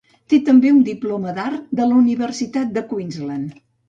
Té també un diploma d'art de la Universitat de Queensland.